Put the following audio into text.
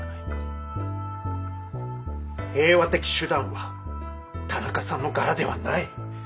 平和的手段は田中さんの柄ではない。